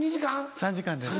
３時間です。